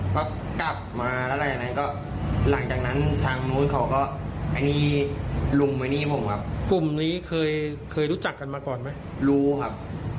ว่าคงจะมีเรื่องเก่าด้วยแหละครับ